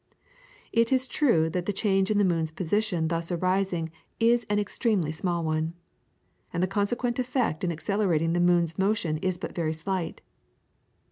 It is true that the change in the moon's position thus arising is an extremely small one, and the consequent effect in accelerating the moon's motion is but very slight.